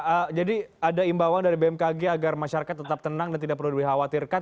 baik jadi ada imbauan dari bmkg agar masyarakat tetap tenang dan tidak perlu dikhawatirkan